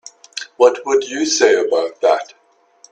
What would you say about that?